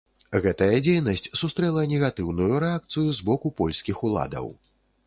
Гэтая дзейнасць сустрэла негатыўную рэакцыю з боку польскіх уладаў.